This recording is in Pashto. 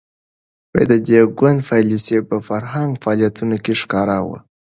د دې ګوند پالیسي په فرهنګي فعالیتونو کې ښکاره وه.